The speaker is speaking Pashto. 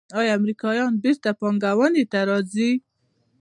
آیا امریکایان بیرته پانګونې ته راځí؟